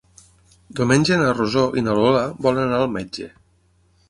Diumenge na Rosó i na Lola volen anar al metge.